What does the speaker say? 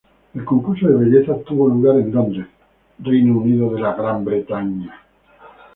El concurso de belleza tuvo lugar en Londres, Reino Unido.